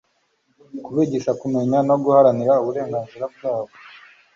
kubigisha kumenya no guharanira uburenganzira bwabo